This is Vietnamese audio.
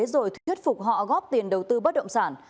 rồi thuyết phục họ góp tiền đầu tư bất động sản